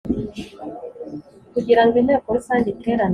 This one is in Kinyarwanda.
kugirango Inteko Rusange iterane